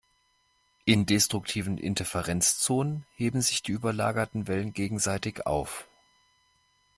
In destruktiven Interferenzzonen heben sich die überlagerten Wellen gegenseitig auf.